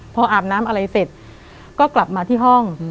พออาบน้ำอะไรเสร็จก็กลับมาที่ห้อง